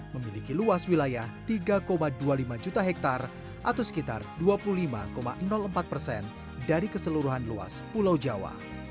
memiliki luas wilayah tiga dua puluh lima juta hektare atau sekitar dua puluh lima empat persen dari keseluruhan luas pulau jawa